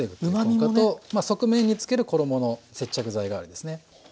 側面につける衣の接着剤代わりですね。